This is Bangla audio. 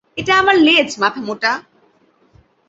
এটা আমার লেজ, মাথামোটা!